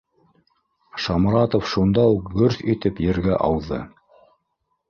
Шамратов шунда уҡ гөрҫ итеп ергә ауҙы